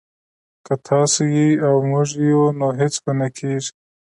که تاسو يئ او موږ يو نو هيڅ به نه کېږي